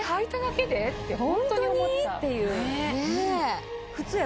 ホントに？っていう。